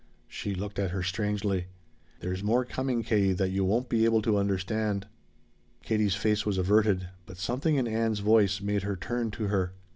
She looked at her strangely. "There's more coming, Katie, that you won't be able to understand." Katie's face was averted, but something in Ann's voice made her turn to her.